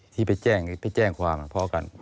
ที่ไปแจ้งความพ่อกัน